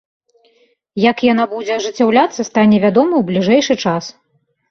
Як яна будзе ажыццяўляцца, стане вядома ў бліжэйшы час.